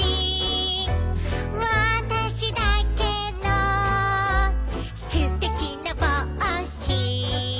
「わたしだけのすてきな帽子」